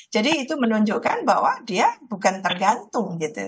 jadi itu menunjukkan bahwa dia bukan tergantung gitu